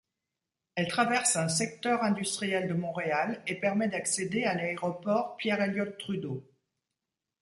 Elle traverse un secteur industriel de Montréal et permet d'accéder à l'aéroport Pierre-Elliott-Trudeau.